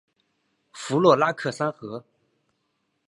弗洛拉克三河。